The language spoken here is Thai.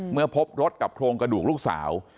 เมื่อพบรถกับโครงกระดูกลูกสาว